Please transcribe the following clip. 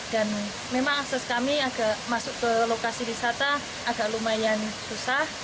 dan memang akses kami agak masuk ke lokasi wisata agak lumayan susah